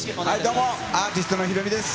どうも、アーティストのヒロミです。